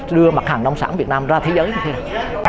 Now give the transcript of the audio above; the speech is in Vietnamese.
đưa mặt hàng nông sản việt nam ra thế giới như thế nào